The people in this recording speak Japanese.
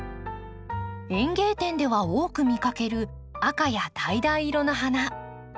園芸店では多く見かける赤やだいだい色の花。